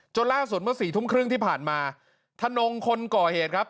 ล่าสุดเมื่อสี่ทุ่มครึ่งที่ผ่านมาทนงคนก่อเหตุครับ